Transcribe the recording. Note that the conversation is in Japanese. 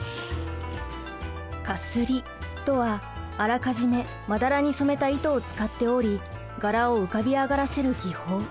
絣とはあらかじめまだらに染めた糸を使っており柄を浮かび上がらせる技法。